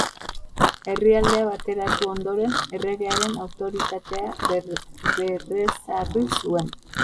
Herrialdea bateratu ondoren, erregearen autoritatea berrezarri zuen.